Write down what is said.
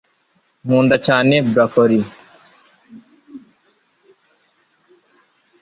nkunda cyane broccoli